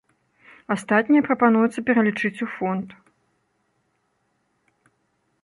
Астатняе прапануецца пералічыць у фонд.